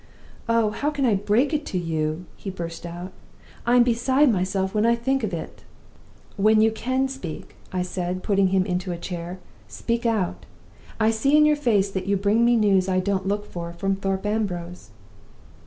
'Oh how can I break it to you!' he burst out. 'I'm beside myself when I think of it!' "'When you can speak,' I said, putting him into a chair, 'speak out. I see in your face that you bring me news I don't look for from Thorpe Ambrose.